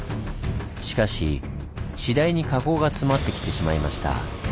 しかし次第に火口が詰まってきてしまいました。